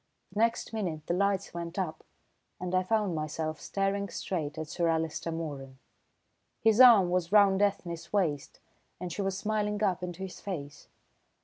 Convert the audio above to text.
The next minute the lights went up, and I found myself staring straight at Sir Alister Moeran. His arm was round Ethne's waist and she was smiling up into his face.